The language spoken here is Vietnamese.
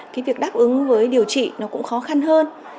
cái việc đáp ứng với điều trị nó cũng khó khăn hơn